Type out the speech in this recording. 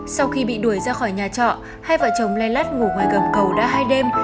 sau khi bị đuổi ra khỏi nhà trọ hai vợ chồng len lắt ngủ ngoài gầm cầu đã hai đêm